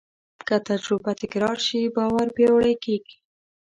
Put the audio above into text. که تجربه تکرار شي، باور پیاوړی کېږي.